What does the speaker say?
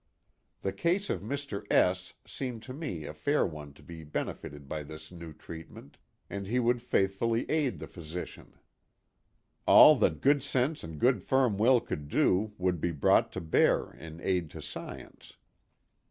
The case of Mr. S seemed to me a fair one to be benefited by this new treatment, and l8o THE GOOD SAMARITAN. he would faithfully aid the physician. All that good sense and good firm will could do would be brought to bear in aid to science.